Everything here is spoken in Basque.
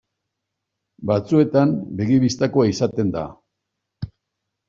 Batzuetan begi bistakoa izaten da.